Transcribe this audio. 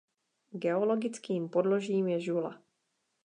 Geologickým podložím je žula.